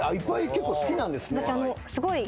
結構好きなんですね？